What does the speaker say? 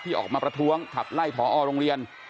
ออกมาประท้วงขับไล่พอโรงเรียน